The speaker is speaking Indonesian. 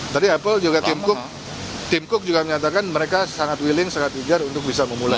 tadi apple juga tim cook juga menyatakan mereka sangat willing sangat pijar untuk bisa memulai